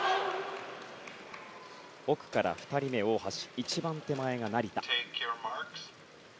奥から２人目、大橋一番手前が成田。